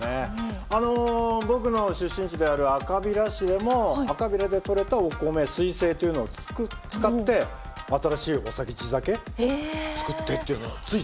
僕の出身地である赤平市でも赤平で取れたお米「彗星」というのを使って新しいお酒地酒造ってっていうのをつい